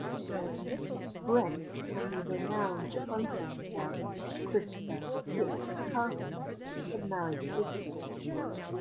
Bent and the renowned frontier scout Christopher "Kit" Carson had married sisters.